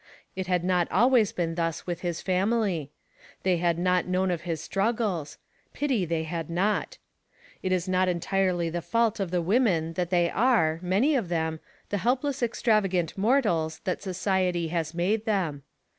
It had not always been thus with his family: they had not known of his struggles ; pity they had not. It is not entirely the fault of the women that they are, many of them, the help less extravagant mortals that society has made them.